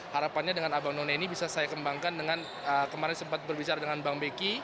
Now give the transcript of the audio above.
harapannya dengan abang none ini bisa saya kembangkan dengan kemarin sempat berbicara dengan bang beki